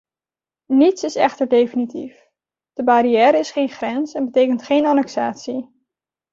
Niets is echter definitief; de barrière is geen grens en betekent geen annexatie.